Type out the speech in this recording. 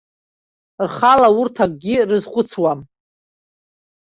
Рхала урҭ акгьы рызхәыцуам.